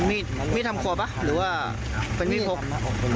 มีดทำควบะหรือว่าเป็นมีดพก